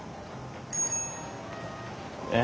え？